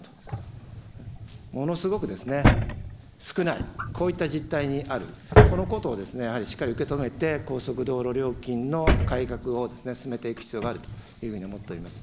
ものすごく少ない、こういった実態にある、このことをやはりしっかり受け止めて、高速道路料金の改革を進めていく必要があると思っております。